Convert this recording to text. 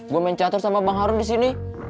gue main catur sama bang harun di sini